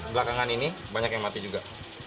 belakangan ini banyak yang mati juga